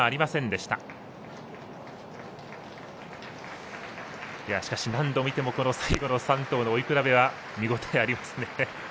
しかし、何度見ても最後の３頭の追い比べは見応えありますね。